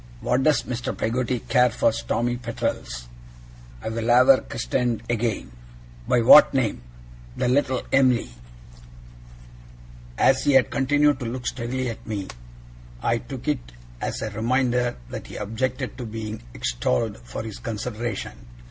What does Mr. Peggotty care for Stormy Petrels! I'll have her christened again.' 'By what name?' I asked. 'The "Little Em'ly".' As he had continued to look steadily at me, I took it as a reminder that he objected to being extolled for his consideration.